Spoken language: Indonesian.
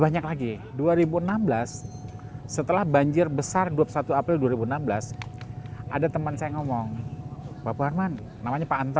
banyak lagi dua ribu enam belas setelah banjir besar dua puluh satu april dua ribu enam belas ada teman saya ngomong bapak arman namanya pak anto